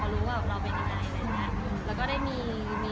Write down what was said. หนึ่งก็ตอนหลังแม่ก็บอกเข้าใจฮ่ืม